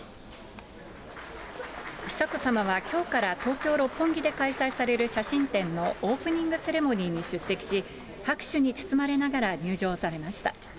久子さまはきょうから東京・六本木で開催される写真展のオープニングセレモニーに出席し、拍手に包まれながら入場されました。